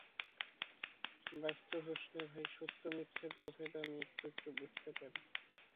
ব্যস্ত হোস নে ভাই, সত্যমিথ্যের প্রভেদ আমি একটু একটু বুঝতে পারি।